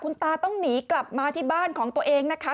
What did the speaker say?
คุณตาต้องหนีกลับมาที่บ้านของตัวเองนะคะ